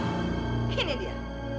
oh ini dia